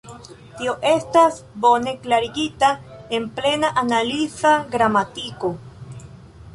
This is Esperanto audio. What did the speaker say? Tio estas bone klarigita en Plena Analiza Gramatiko.